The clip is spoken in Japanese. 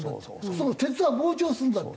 その鉄が膨張するんだって。